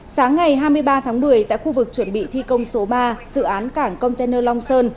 sáng ngày hai mươi ba tháng một mươi tại khu vực chuẩn bị thi công số ba dự án cảng container long sơn